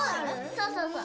そうそうそう。